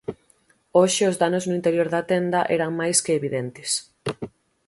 Hoxe os danos na interior da tenda eran máis que evidentes.